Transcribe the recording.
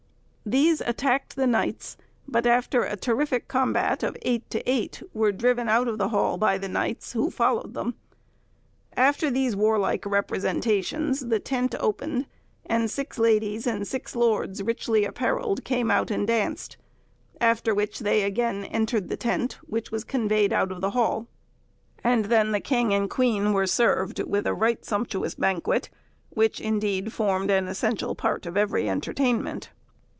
These attacked the knights, but after a terrific combat of eight to eight, were driven out of the hall by the knights, who followed them. After these warlike representations the tent opened, and six ladies and six lords, richly apparelled, came out and danced; after which they again entered the tent, which was conveyed out of the hall; and then the king and queen were served with a right sumptuous banquet, which, indeed, formed an essential part of every entertainment.